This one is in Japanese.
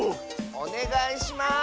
おねがいします！